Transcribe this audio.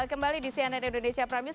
kembali di cnn indonesia prime news